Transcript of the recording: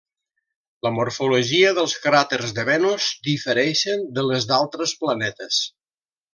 La morfologia dels cràters de Venus difereixen de les d'altres planetes.